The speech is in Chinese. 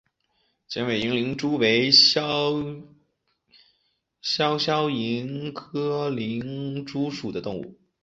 尖尾银鳞蛛为肖峭科银鳞蛛属的动物。